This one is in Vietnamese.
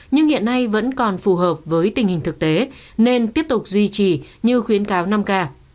nhưng hiện nay vẫn còn phù hợp với tình hình thực tế nên tiếp tục duy trì như khuyến cáo năm k